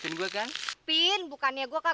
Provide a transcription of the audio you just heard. di anggaran video terbaik sahaja